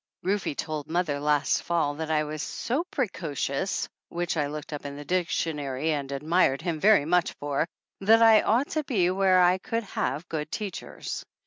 Rufe told mother last fall that I was so pre cocious, which I looked up in the dictionary and admired him very much for, that I ought to be where I could have good teachers.